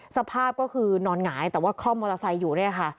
สภาพก็คือนอนหงายแต่ว่าคล่อมมอเตอร์ไซค์อยู่เนี่ยค่ะ